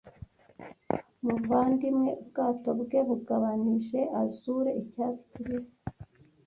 muvandimwe ubwato bwe bugabanije azure icyatsi kibisi